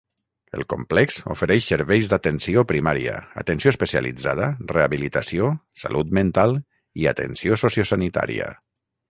El complex ofereix serveis d'atenció primària, atenció especialitzada, rehabilitació, salut mental i atenció sociosanitària.